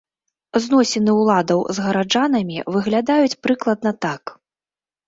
Зносіны ўладаў з гараджанамі выглядаюць прыкладна так.